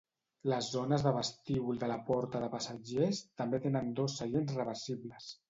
Les zones de vestíbul de la porta de passatgers també tenen dos seients reversibles.